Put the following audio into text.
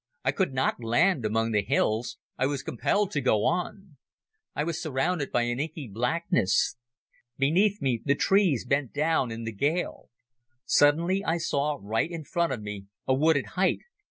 I could not land among the hills. I was compelled to go on. I was surrounded by an inky blackness. Beneath me the trees bent down in the gale. Suddenly I saw right in front of me a wooded height.